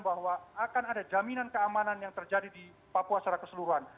bahwa akan ada jaminan keamanan yang terjadi di papua secara keseluruhan